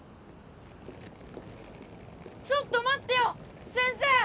ちょっと待ってよ先生！